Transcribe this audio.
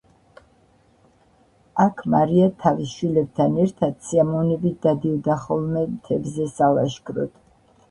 აქ მარია თავის შვილებთან ერთად სიამოვნებით დადიოდა ხოლმე მთებზე სალაშქროდ.